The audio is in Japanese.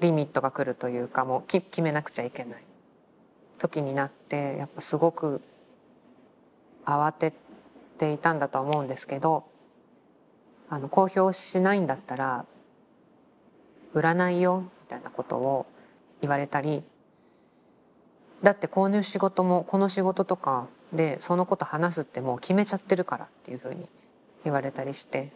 リミットがくるというかもう決めなくちゃいけない時になってやっぱすごく慌てていたんだとは思うんですけど「公表しないんだったら売らないよ」みたいなことを言われたり「だってこの仕事とかでそのこと話すって決めちゃってるから」っていうふうに言われたりして。